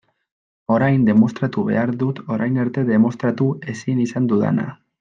Orain demostratu behar dut orain arte demostratu ezin izan dudana.